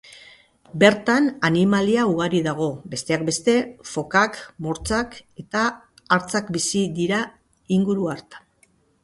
Bertan animalia ugari dago, besteak beste; fokak, mortsak eta hartzak bizi dira inguru hartan.